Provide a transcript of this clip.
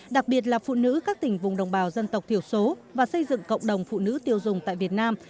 đặc biệt là phụ nữ các tỉnh vùng đồng bào dân tộc thiểu số và xây dựng cộng đồng phụ nữ tiêu dùng tại việt nam